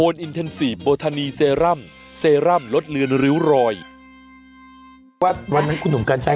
วันนั้นคุณหนุ่มการใช้ก็พูดว่า